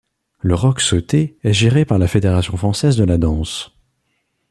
Le rock sauté est géré par la Fédération française de la danse.